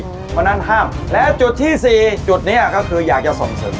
เพราะนั้นห้ามและจุดที่สี่จุดเนี้ยก็คืออยากจะสมสึก